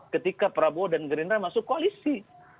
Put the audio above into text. ketika prabowo dan gerindra masuk koalisi